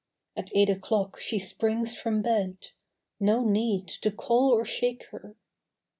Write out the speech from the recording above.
At eight o'clock she springs from bed No need to call or shake her.